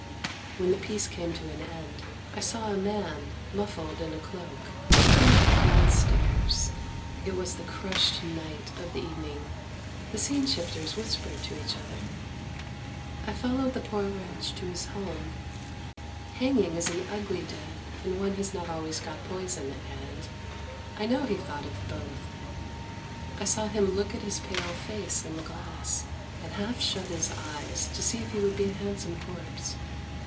When the piece came to an end, I saw a man, muffled in a cloak, creep downstairs. It was the crushed knight of the evening, the scene shifters whispered to each other. I followed the poor wretch to his home. Hanging is an ugly death, and one has not always got poison at hand. I know he thought of both. I saw him look at his pale face in the glass, and half shut his eyes to see if he would be a handsome corpse.